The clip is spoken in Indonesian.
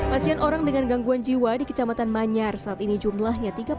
pasien orang dengan gangguan jiwa di kecamatan manyar saat ini jumlahnya tiga puluh